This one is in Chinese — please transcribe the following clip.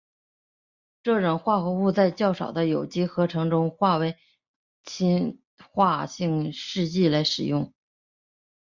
这种化合物在较少的有机合成中作为氧化性试剂来使用。